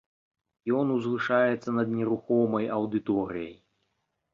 Ён узвышаецца над нерухомай аўдыторыяй.